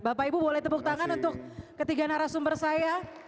bapak ibu boleh tepuk tangan untuk ketiga narasumber saya